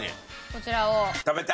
こちらを。